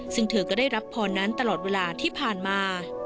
ซึ่งเธอก็ได้รับพรนั้นตลอดเวลาที่ผ่านมา